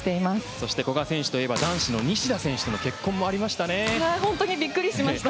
そして、古賀選手といえば男子の西田選手との結婚も本当にびっくりしました。